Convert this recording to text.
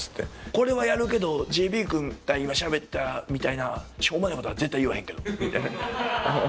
「これはやるけどＪＰくんが今しゃべったみたいなしょうもない事は絶対言わへんけど」みたいな。